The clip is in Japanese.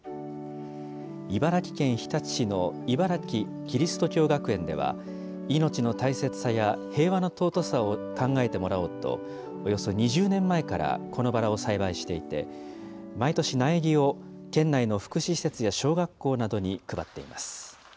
茨城県日立市の茨城キリスト教学園では、命の大切さや平和の尊さを考えてもらおうと、およそ２０年前から、このバラを栽培していて、毎年、苗木を県内の福祉施設や小学校などに配っています。